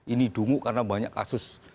ini dungu karena banyak kasus